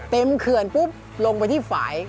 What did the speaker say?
เขื่อนปุ๊บลงไปที่ฝ่าย